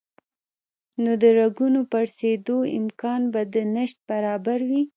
نو د رګونو پړسېدو امکان به د نشت برابر وي